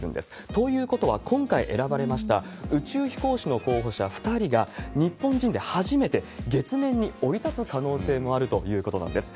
ということは、今回選ばれました宇宙飛行士の候補者２人が、日本人で初めて月面に降り立つ可能性もあるということなんです。